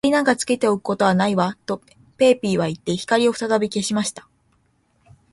「明りなんかつけておくことはないわ」と、ペーピーはいって、光をふたたび消した。